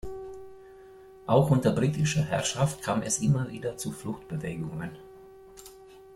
Auch unter britischer Herrschaft kam es immer wieder zu Fluchtbewegungen.